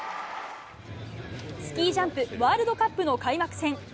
スキージャンプワールドカップの開幕戦。